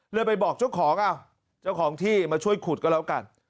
เลยไปบอกเจ้าของเอ้าเจ้าของที่มาช่วยขุดก็แล้วกัน